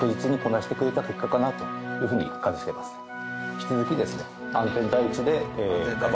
引き続きですね。